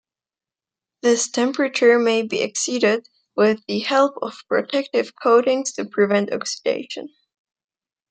This temperature may be exceeded with the help of protective coatings to prevent oxidation.